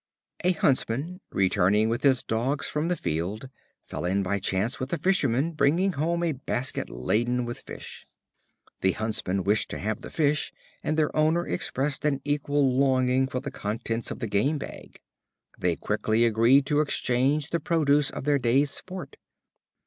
A Huntsman, returning with his dogs from the field, fell in by chance with a Fisherman, bringing home a basket laden with fish. The Huntsman wished to have the fish, and their owner experienced an equal longing for the contents of the game bag. They quickly agreed to exchange the produce of their day's sport.